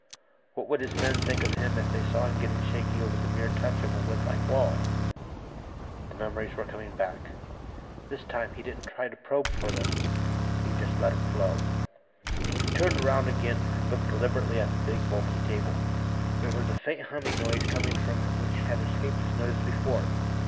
What would his men think of him if they saw him getting shaky over the mere touch of a woodlike wall? The memories were coming back. This time, he didn't try to probe for them; he just let them flow. He turned around again and looked deliberately at the big, bulky table. There was a faint humming noise coming from it which had escaped his notice before.